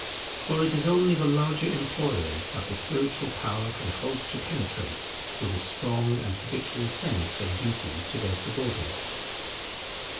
For it is only the larger employers that the spiritual power can hope to penetrate with a strong and habitual sense of duty to their subordinates.